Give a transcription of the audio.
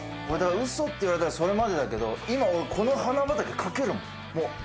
うそって言われたらそれまでだけど、俺、この花畑、描けるもん。